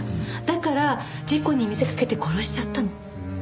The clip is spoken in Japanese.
だから事故に見せかけて殺しちゃったの。